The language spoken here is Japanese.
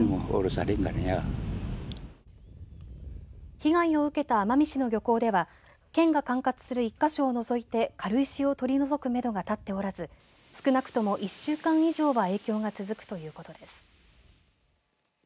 被害を受けた奄美市の漁港では県が管轄する１か所を除いて軽石を取り除くめどがたっておらず少なくとも１週間以上は影響が続くということです。